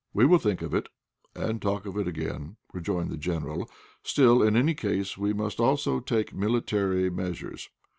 "We will think of it, and talk of it again," rejoined the General. "Still, in any case, we must also take military measures.